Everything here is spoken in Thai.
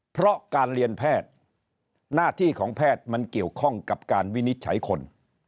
เพราะการเรียนแพทย์หน้าที่ของแพทย์มันเกี่ยวข้องกับการวินิจฉัยคน